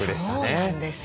そうなんです。